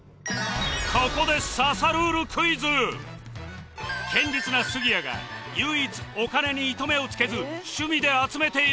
ここで堅実な杉谷が唯一お金に糸目をつけず趣味で集めているものとは？